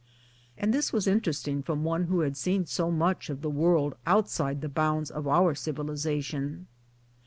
(And this was inter esting from one who had seen so much of the world outside the bounds of our civilization.)